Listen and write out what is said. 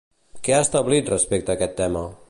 Què ha establit respecte a aquest tema?